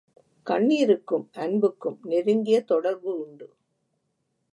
கண்ணிருக்கும் அன்புக்கும் நெருங்கிய தொடர்பு உண்டு.